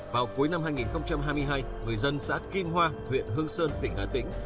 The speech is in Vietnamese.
vào cuối năm hai nghìn hai mươi hai người dân xã kim hoa huyện hương sơn tỉnh hà tĩnh